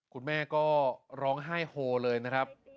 คุณแม่ก็ร้องไห้โฮเลยนะครับ